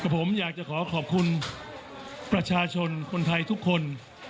ผมอยากจะขอขอบคุณประชาชนคนไทยทุกคน